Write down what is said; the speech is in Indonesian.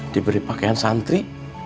diberi pakaian santri